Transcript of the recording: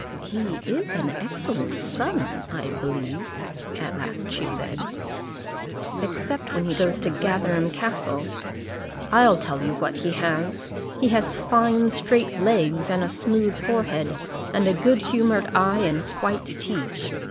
"He is an excellent son, I believe," at last she said. "Except when he goes to Gatherum Castle. I'll tell you what he has: he has fine straight legs, and a smooth forehead, and a good humoured eye, and white teeth.